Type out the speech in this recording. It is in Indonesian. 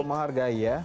cukup menghargai ya